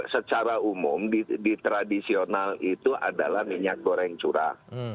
secara umum di tradisional itu adalah minyak goreng curah